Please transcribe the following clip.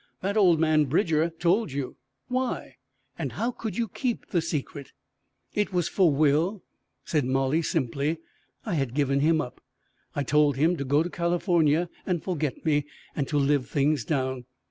That old man Bridger told you why? And how could you keep the secret?" "It was for Will," said Molly simply. "I had given him up. I told him to go to California and forget me, and to live things down.